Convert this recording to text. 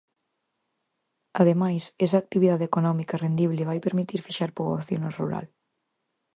Ademais, esa actividade económica rendible vai permitir fixar poboación no rural.